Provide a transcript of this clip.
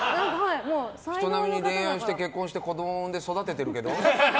人並みに恋愛して結婚して子供を生んで、育ててるけど。